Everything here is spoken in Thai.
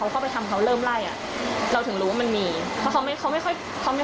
เขาไปทำเขาเริ่มไล่อ่ะเราถึงรู้มันมีเขาไม่ค่อยเขาไม่